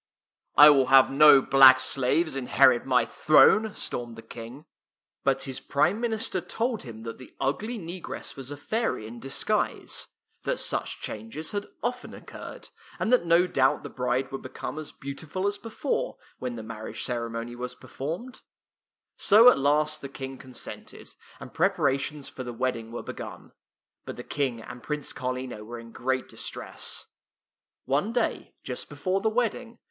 " I will have no black slaves inherit my throne," stormed the King; but his Prime Minister told him that the ugly negress was a fairy in disguise; that such changes had often occurred ; and that no doubt the bride would become as beautiful as before, when the marriage ceremony was performed. [ 8 ] THE THREE LEMONS So at last the King consented, and prepa rations for the wedding were begun. But the King and Prince Carlino were in great distress. One day, just before the wedding.